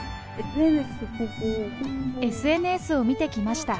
ＳＮＳを見て来ました。